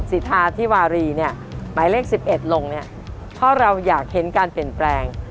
สิทธาธิวารีเนี่ยหมายเลข๑๑ลงเนี่ยเพราะเราอยากเห็นการเปลี่ยนแปลง